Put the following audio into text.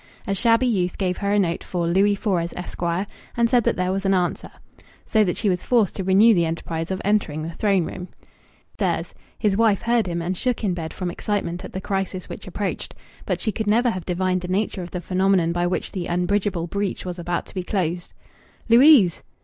A shabby youth gave her a note for "Louis Fores, Esq.," and said that there was an answer. So that she was forced to renew the enterprise of entering the throne room. In another couple of minutes Louis was running upstairs. His wife heard him, and shook in bed from excitement at the crisis which approached. But she could never have divined the nature of the phenomenon by which the unbridgable breach was about to be closed. "Louise!"